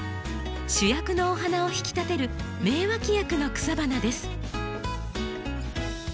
主役のお花を引き立てる名脇役の草花です。